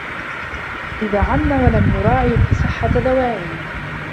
إذَا عَنَّ وَلَمْ يُرَاعِ صِحَّةَ دَوَاعِيهِ